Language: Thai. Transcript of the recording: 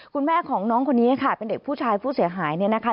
คุณแม่ของน้องคนนี้ค่ะเป็นเด็กผู้ชายผู้เสียหายเนี่ยนะคะ